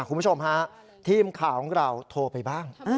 คุณผู้ชมฮะทีมข่าวของเราโทรไปบ้าง